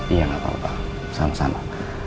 iya tidak apa apa sama sama